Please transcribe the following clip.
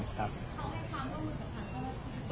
เขาให้ความร่วมมือกับท่านก็